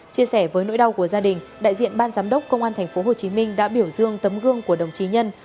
chia sẻ với nỗi đau của gia đình đại diện ban giám đốc công an tp hcm đã biểu dương tấm gương của đồng chí nhân